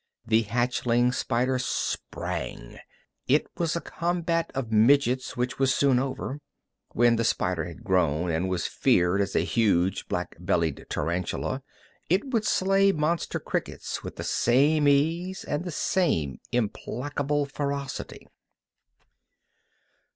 The hatchling spider sprang it was a combat of midgets which was soon over. When the spider had grown and was feared as a huge, black bellied tarantula, it would slay monster crickets with the same ease and the same implacable ferocity.